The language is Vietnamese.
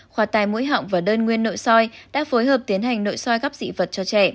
khoa tài mũi hỏng và đơn nguyên nội soi đã phối hợp tiến hành nội soi gắp dị vật cho trẻ